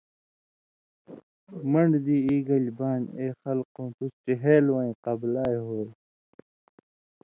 من٘ڈہۡ دېں ای گېل بانیۡ:”(اے خلکؤں:) تُس ڇِہېلوَیں قبلائ ہوے!